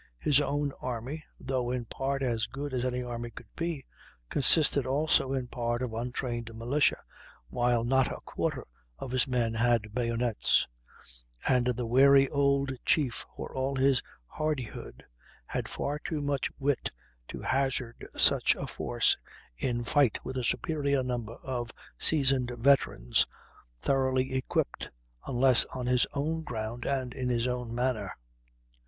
His own army, though in part as good as an army could be, consisted also in part of untrained militia, while not a quarter of his men had bayonets; and the wary old chief, for all his hardihood, had far too much wit to hazard such a force in fight with a superior number of seasoned veterans, thoroughly equipped, unless on his own ground and in his own manner.